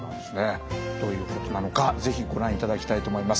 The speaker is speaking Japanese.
どういうことなのか是非ご覧いただきたいと思います。